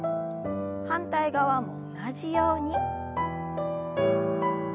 反対側も同じように。